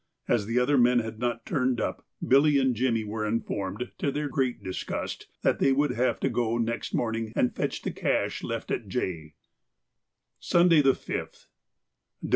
As the other men had not turned up, Billy and Jimmy were informed, to their great disgust, that they would have to go next morning and fetch the cache left at J. _Sunday, the 5th.